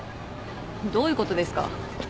どういうことですか？